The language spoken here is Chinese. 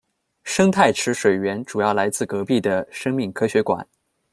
生态池水源主要来自隔壁的生命科学馆。